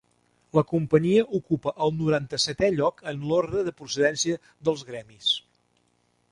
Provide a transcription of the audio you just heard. La Companyia ocupa el noranta-setè lloc en l'ordre de precedència dels Gremis.